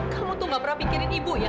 kamu tuh gak berpikirin ibu ya